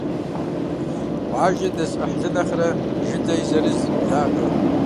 Къуажэ дэз Ӏыхьлы нэхърэ жылэ и зэрыз благъэ.